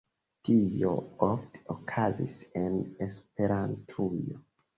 Tio ofte okazis en Esperantujo.